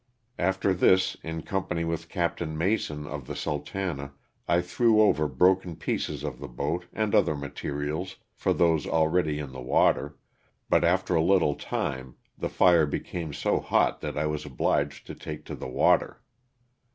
After this in company with Oapt. Mason, of the *'Sultana," I threw over broken pieces of the boat and other materials for those already in the water, but after a little time the fire became so hot that I was obliged to take to the water.